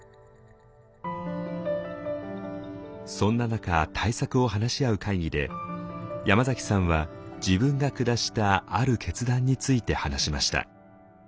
そんな中対策を話し合う会議で山崎さんは自分が下したある決断について話しました。